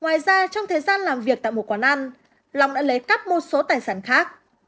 ngoài ra trong thời gian làm việc tại một quán ăn long đã lấy cắp một số tài sản khác